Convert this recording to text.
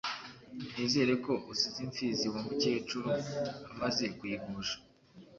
Nizere ko usize imfizi wa Mukecuru amaze kuyigusha.